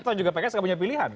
atau juga pks gak punya pilihan